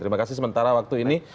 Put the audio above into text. terima kasih sementara waktu ini